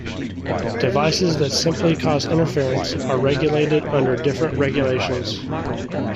Devices that simply cause interference are regulated under different regulations.